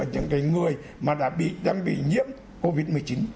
những người đang bị nhiễm covid một mươi chín